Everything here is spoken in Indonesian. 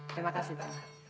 terima kasih pak